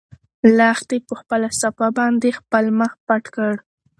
لښتې په خپله صافه باندې خپل مخ پټ کړ.